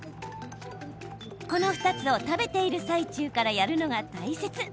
この２つを食べている最中からやるのが大切。